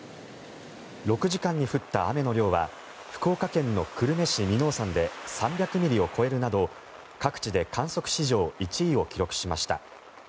６時間に降った雨の量は福岡県の久留米市・耳納山で３００ミリを超えるなど、各地で観測史上１位を記録しました。